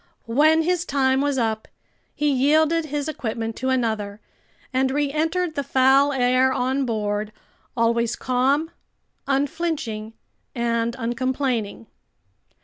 When his time was up, he yielded his equipment to another and reentered the foul air on board, always calm, unflinching, and uncomplaining.